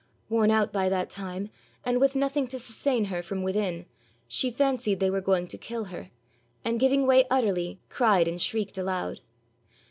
Worn out by that time, and with nothing to sustain her from within, she fancied they were going to kill her, and giving way utterly, cried and shrieked aloud.